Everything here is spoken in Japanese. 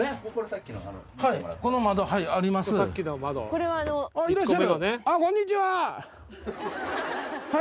こんにちは。